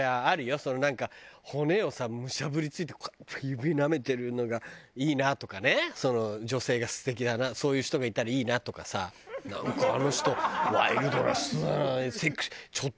そのなんか骨をさむしゃぶりついてこうやって指なめてるのがいいなとかね女性が素敵だなそういう人がいたらいいなとかさなんかあの人ワイルドな人だな。